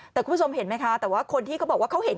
แต่คุณผู้ชมเห็นไหมคะแต่ว่าคนที่เขาบอกว่าเขาเห็น